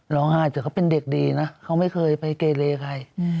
ร้องไห้แต่เขาเป็นเด็กดีนะเขาไม่เคยไปเกเลใคร